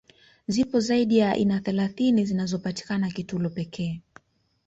Zipo zaidi ya aina thelathini zinazopatikana Kitulo pekee